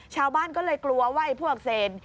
ชาวบ้านก็เลยกลัวว่าไอ้พวกอักเสน